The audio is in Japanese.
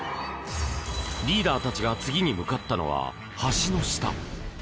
リーダーたちが次に向かったのは、橋の下。